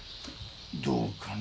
どうかな？